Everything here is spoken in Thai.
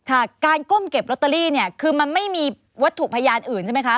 ค่ะการก้มเก็บลอตเตอรี่เนี่ยคือมันไม่มีวัตถุพยานอื่นใช่ไหมคะ